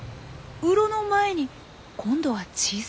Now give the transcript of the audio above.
洞の前に今度は小さい虫。